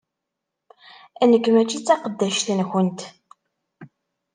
Nekk mačči d taqeddact-nkent.